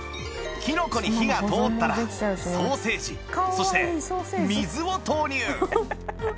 きのこに火が通ったらソーセージそして水を投入